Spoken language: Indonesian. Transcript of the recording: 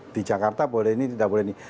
di jakarta boleh ini tidak boleh ini